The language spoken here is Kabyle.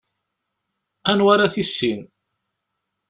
Anwa ara tissin?